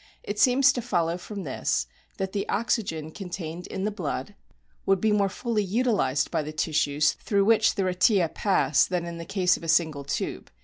It seems to follow from this that the oxygen contained in the blood would be more fully 58 A BOOK OF IV ff ALES utilised by the tissues through which the retia pass than in the case of a single tube.